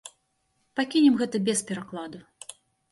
Пакінем гэта без перакладу.